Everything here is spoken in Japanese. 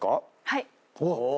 はい。